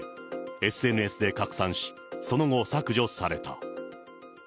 ＳＮＳで拡散し、その後、削除された。